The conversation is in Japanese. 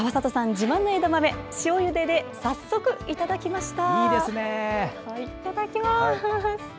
自慢の枝豆塩ゆでで早速いただきました。